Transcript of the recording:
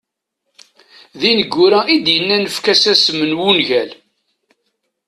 D ineggura i d-yennan efk-as isem n wungal.